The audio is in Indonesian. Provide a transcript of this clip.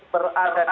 berada di situ